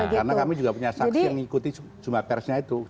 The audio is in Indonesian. karena kami juga punya saksi yang ngikutin cuma persisnya itu